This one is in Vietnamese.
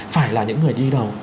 phải là những người đi đầu